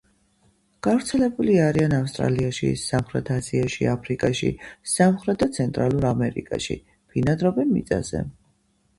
გავრცელებული არიან ავსტრალიაში, სამხრეთ აზიაში, აფრიკაში, სამხრეთ და ცენტრალურ ამერიკაში, ბინადრობენ მიწაზე.